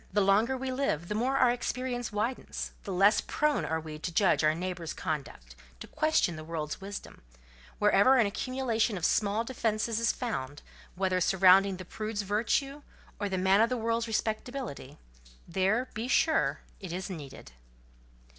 The longer we live, the more our experience widens; the less prone are we to judge our neighbour's conduct, to question the world's wisdom: wherever an accumulation of small defences is found, whether surrounding the prude's virtue or the man of the world's respectability, there, be sure, it is needed.